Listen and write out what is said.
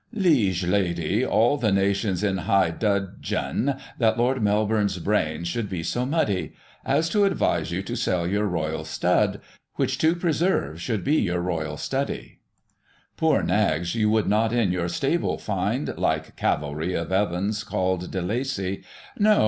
I. Liege Lady, all the nation's in high dud geon that Lord Melbourne's brains should be so muddy As to advise you sell your royal study Which to preserve, should be your royal study. IL Poor ns^ you would not in your stable find, Like cavalry of Evans called De Lacey, No